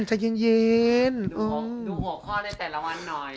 ดูหัวข้อได้แต่ละวันหน่อย